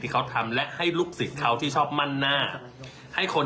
เขาทำและให้ลูกศิษย์เขาที่ชอบมั่นหน้าให้คน